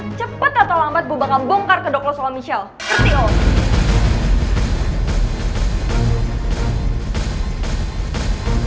nanti tak tau lambat gue bakal bongkar kedok lo soal michelle